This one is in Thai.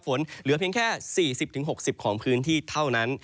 เหลือเพียงแค่๔๐๖๐ของพื้นที่เท่านั้น